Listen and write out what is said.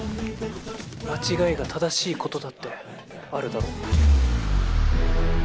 間違いが正しいことだってあるだろ？